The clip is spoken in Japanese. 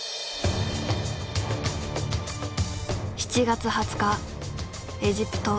７月２０日エジプト。